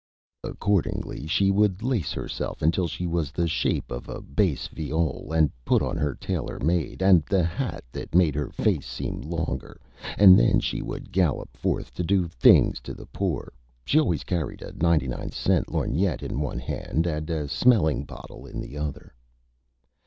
Accordingly, she would Lace Herself until she was the shape of a Bass Viol, and put on her Tailor Made, and the Hat that made her Face seem longer, and then she would Gallop forth to do Things to the Poor. She always carried a 99 cent Lorgnette in one Hand and a Smelling Bottle in the Other.